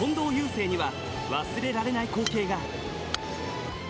せいには忘れられない光景が。